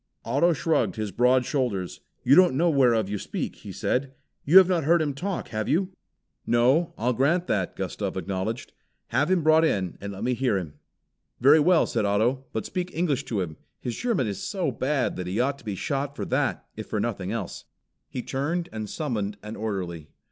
Otto shrugged his broad shoulders. "You don't know whereof you speak," he said. "You have not heard him talk, have you?" "No, I'll grant that," Gustav acknowledged. "Have him brought in and let me hear him." "Very well," said Otto, "but speak English to him. His German is so bad that he ought to be shot for that if for nothing else." He turned and summoned an orderly.